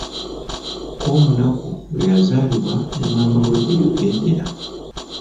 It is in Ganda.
Komunaku lwe yazaalibwa ne maama we weyagendera.